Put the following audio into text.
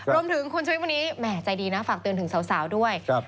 รวมถึงคุณชุวิตวันนี้แหม่ใจดีนะฝากเตือนถึงสาวด้วย